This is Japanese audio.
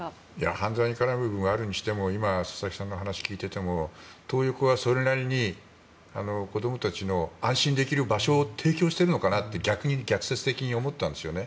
犯罪に絡む部分があるにしても今、佐々木さんの話を聞いていてもトー横はそれなりに子どもたちの安心できる場所を提供しているのかなって逆説的に思ったんですよね。